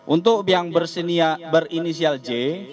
untuk yang berinisial j